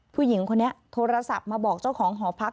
ผู้หญิงคนนี้โทรศัพท์มาบอกเจ้าของหอพัก